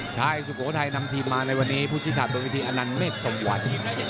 ชายสุโกไทยนำทีมมาในวันนี้พูดศิษฐาดวงวิธีอาวุธิ์อานนานเมฆสงวัล